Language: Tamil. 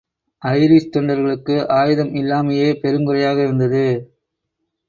ஐரிஷ் தொண்டர்களுக்கு ஆயுதம் இல்லாமையே பெருங்குறையாக இருந்தது.